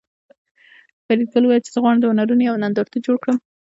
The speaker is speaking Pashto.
فریدګل وویل چې زه غواړم د هنرونو یو نندارتون جوړ کړم